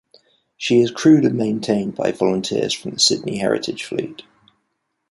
She is crewed and maintained by volunteers from the Sydney Heritage Fleet.